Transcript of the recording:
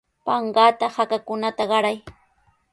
Panqata hakakunata qaray.